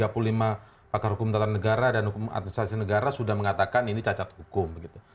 satu ratus tiga puluh lima pakar hukum tatan negara dan hukum administrasi negara sudah mengatakan ini cacat hukum gitu